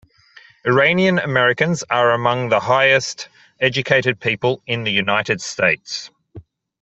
Iranian Americans are among the highest educated people in the United States.